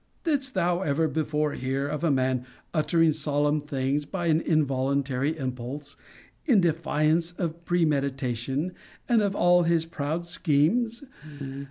Didst thou ever before hear of a man uttering solemn things by an involuntary impulse, in defiance of premeditation, and of all his proud schemes?